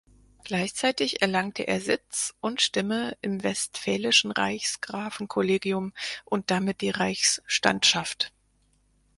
Gleichzeitig erlangte er Sitz und Stimme im westfälischen Reichsgrafenkollegium und damit die Reichsstandschaft.